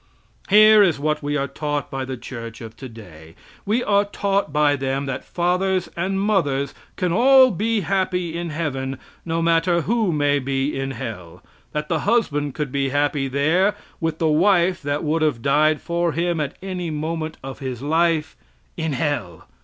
Here is what we are taught by the church of today. We are taught by them that fathers and mothers can all be happy in heaven, no matter who may be in hell; that the husband could be happy there, with the wife that would have died for him at any moment of his life, in hell.